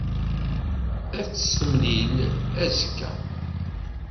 Ad t-temlil azekka.